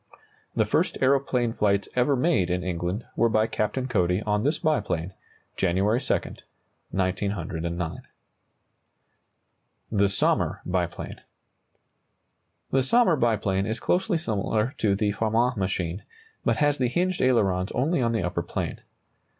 The first aeroplane flights ever made in England were by Captain Cody on this biplane, January 2, 1909. THE SOMMER BIPLANE. The Sommer biplane is closely similar to the Farman machine, but has the hinged ailerons only on the upper plane.